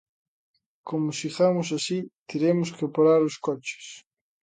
Como sigamos así teremos que parar os coches.